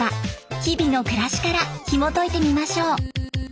日々の暮らしからひもといてみましょう。